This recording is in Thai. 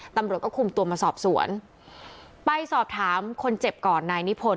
ตำรวจก็คุมตัวมาสอบสวนไปสอบถามคนเจ็บก่อนนายนิพนธ